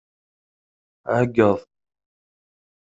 Ɛeggeḍ!